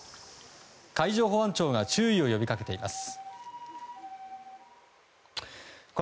海上保安庁が注意を呼び掛けています。